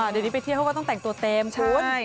เดี๋ยวนี้ไปเที่ยวเขาก็ต้องแต่งตัวเต็มคุณ